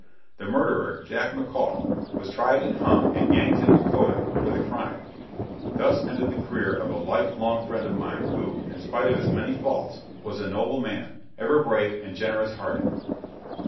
The murderer, Jack McCall, was tried and hung at Yankton, Dakotah, for the crime. Thus ended the career of a life long friend of mine who, in spite of his many faults, was a noble man, ever brave and generous hearted.